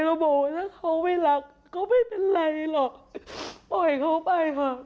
ก็บอกว่าถ้าเขาไม่รักก็ไม่เป็นไรหรอกปล่อยเขาไปค่ะ